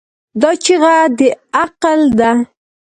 دا چیغه د عقل ده.